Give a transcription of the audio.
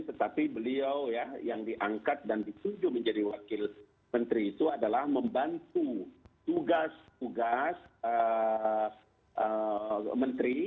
tetapi beliau ya yang diangkat dan dituju menjadi wakil menteri itu adalah membantu tugas tugas menteri